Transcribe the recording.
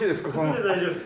靴で大丈夫です。